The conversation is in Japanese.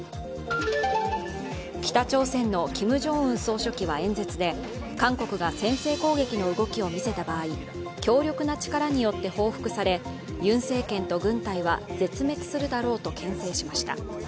北朝鮮のキム・ジョンウン総書記は演説で韓国が先制攻撃の動きを見せた場合強力な力によって報復されユン政権と軍隊は全滅するだろうとけん制しました。